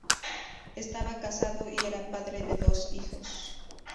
Estaba casado y era padre de dos hijos.